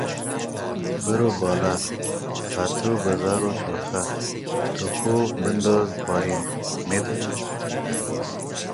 برو بالا، پاتو بزار رو شاخه، توپو بنداز پایین، میتونی؟